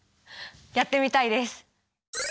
やってみたいです！